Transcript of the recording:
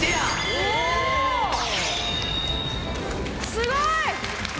すごい！